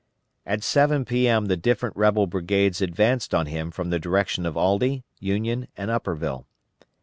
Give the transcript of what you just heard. At 7 P.M. the different rebel brigades advanced on him from the direction of Aldie, Union, and Upperville.